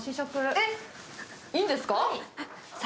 えっ、いいんですか？